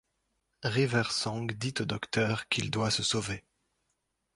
River Song dit au Docteur qu'il doit se sauver.